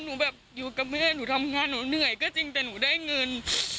หนูแบบอยู่กับแม่หนูทำงานหนูเหนื่อยก็จริงแต่หนูได้เงิน